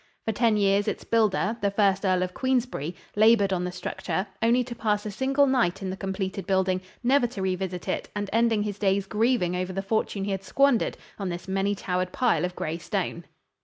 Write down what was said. For ten years its builder, the first Earl of Queensbury, labored on the structure, only to pass a single night in the completed building, never to revisit it, and ending his days grieving over the fortune he had squandered on this many towered pile of gray stone.